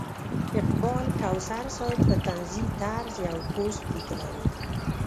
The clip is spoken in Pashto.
اقبال کوثر صاحب په طنزي طرز یو پوسټ لیکلی و.